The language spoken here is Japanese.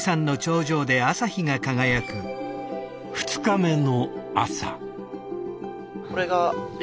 ２日目の朝。